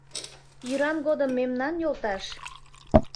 Йӱран годым мемнан йолташ